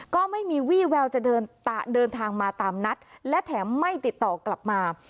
ก็ไม่มีวี่แววจะเดินทางมาตามนัดและแถมไม่ติดต่อกลับมา